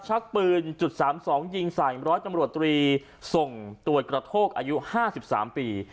ชักปืนจุด๓๒ยิงใส่ร้อยตำรวจตรีส่งตรวจกระโทกอายุ๕๓ปี